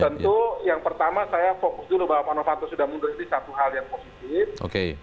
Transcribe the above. tentu yang pertama saya fokus dulu bahwa pak novanto sudah mundur ini satu hal yang positif